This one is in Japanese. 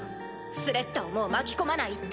スレッタをもう巻き込まないって。